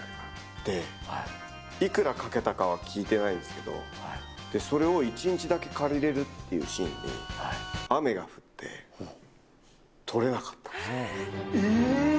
で、いくらかけたかは聞いてないんですけど、それを１日だけ借りれるっていうシーンで雨が降って、えー。